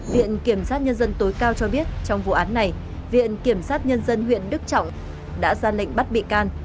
viện kiểm sát nhân dân tối cao cho biết trong vụ án này viện kiểm sát nhân dân huyện đức trọng đã ra lệnh bắt bị can